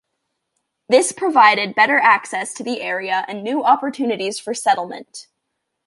This provided better access to the area and new opportunities for settlement.